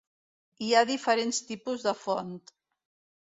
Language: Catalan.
Hi ha diferents tipus de font.